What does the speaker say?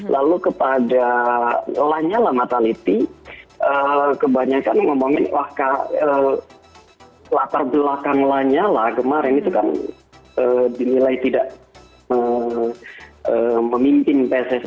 lalu kepada lanyala mataliti kebanyakan ngomongin wah latar belakang lanyala kemarin itu kan dinilai tidak memimpin pssi